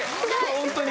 本当に。